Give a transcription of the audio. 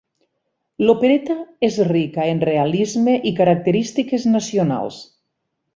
L'opereta és rica en realisme i característiques nacionals.